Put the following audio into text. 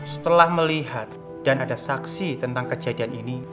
setelah melihat dan ada saksi tentang kejadian ini